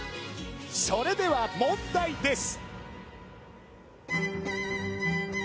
それでは問題です